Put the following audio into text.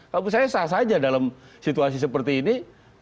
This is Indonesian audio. kalau saya sah saja dalam situasi seperti ini